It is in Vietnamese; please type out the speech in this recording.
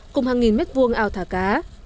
cùng hàng nghìn mét vuông ảo thả cá